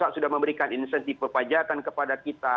pusat sudah memberikan insentif pepajatan kepada kita